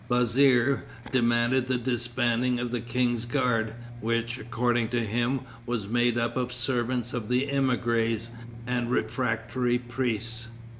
Bazire demanded the disbanding of the King's guard, which, according to him, was made up of servants of the émigrés, and refractory priests.